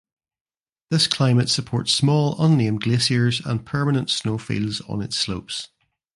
This climate supports small unnamed glaciers and permanent snowfields on its slopes.